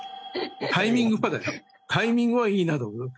タイミングはタイミングはいいなと思うよ。